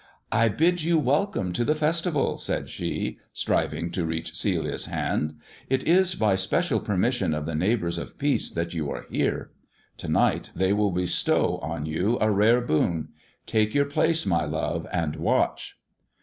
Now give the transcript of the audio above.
" I bid you welcome to the festival," said she, striving to reach Celia's hand ; "it is by special permission of the neighbours of peace that you are here. To night they will bestow on you a rare boon. Take your place, my love, and watch."